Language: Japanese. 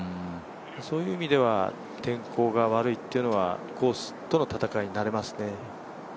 そういう意味では天候が悪いっていうのはコースとの戦いってなりますね。